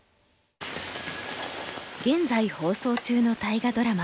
現在放送中の大河ドラマ